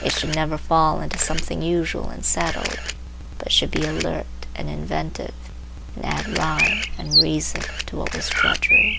It should never fall into something usual and settled, but should be alert and inventive and add rhyme and reason to what was drudgery.